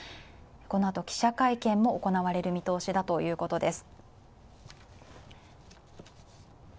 このあと記者会見も行われる見通しだということです。